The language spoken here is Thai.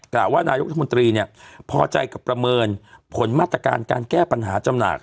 กล่าวว่านายกรัฐมนตรีเนี่ยพอใจกับประเมินผลมาตรการการแก้ปัญหาจำหน่าย